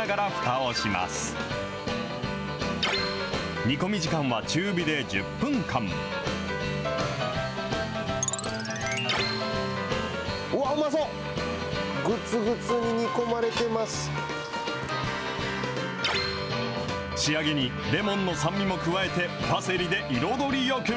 うわっ、うまそう、仕上げにレモンの酸味も加えて、パセリで彩りよく。